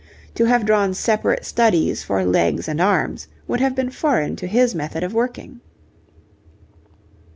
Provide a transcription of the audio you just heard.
To have drawn separate studies for legs and arms would have been foreign to his method of working.